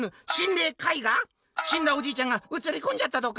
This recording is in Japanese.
「しんだおじいちゃんがうつりこんじゃったとか⁉」。